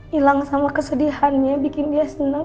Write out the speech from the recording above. hilang sama kesedihannya bikin dia senang